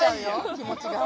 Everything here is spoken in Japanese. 気持ちが。